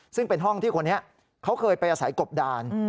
ซึ่งเป็นห้องที่คนนี้เขาเคยไปอาศัยกบดาน